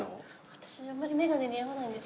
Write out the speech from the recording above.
私あんまり眼鏡似合わないんです。